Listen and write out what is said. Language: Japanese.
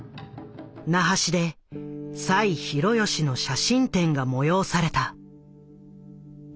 那覇市で栽弘義の写真展が催された。